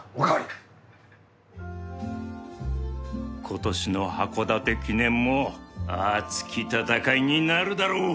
今年の函館記念も熱き戦いになるだろう！